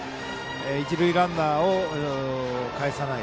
一塁ランナーをかえさない。